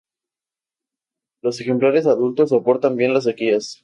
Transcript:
Los ejemplares adultos soportan bien las sequías.